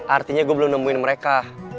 artinya gue belum nemuin mereka